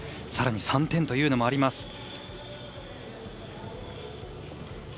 さらに３点というのもあります。